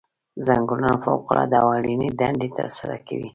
ځنګلونه فوق العاده او اړینې دندې ترسره کوي.